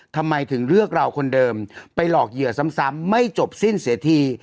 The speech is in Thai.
ทำไมถึงเลือกเราคนเดิมไปหลอกเหยื่อซ้ำไม่จบสิ้นเสียที